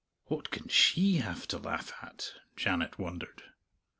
"What can she have to laugh at?" Janet wondered.